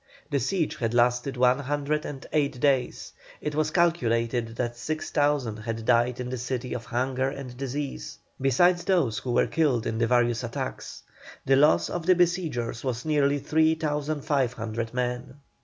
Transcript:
The siege had lasted one hundred and eight days. It was calculated that six thousand had died in the city of hunger and disease, besides those who were killed in the various attacks. The loss of the besiegers was nearly three thousand five hundred men.